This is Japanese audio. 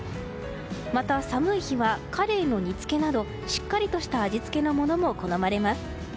また、寒い日はカレイの煮つけなどしっかりとした味付けのものも好まれます。